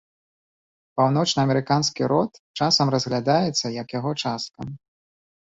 Паўночнаамерыканскі род часам разглядаецца як яго частка.